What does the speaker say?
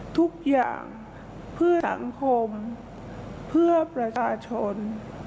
ทุกอย่างเพื่อสังคมเพื่อประชาชน